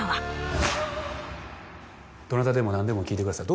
どなたでも何でも聞いてください